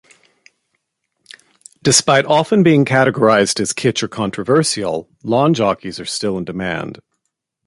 Despite often being categorized as kitsch or controversial, lawn jockeys are still in demand.